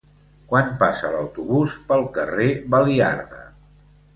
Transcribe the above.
Quan passa l'autobús pel carrer Baliarda?